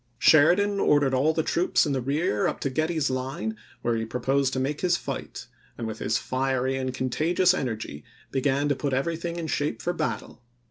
Sheridan ordered all the troops in the rear up to Getty's line, where he proposed to make his fight, and with his fiery and contagious energy began to put every thing in shape for battle.